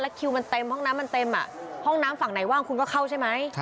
และคิวมันเต็มห้องน้ำฝั่งไหนว่างคุณก็เข้าใช่ไหม